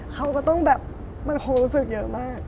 เขาก็ต้องแบบมันคงรู้สึกเยอะมาก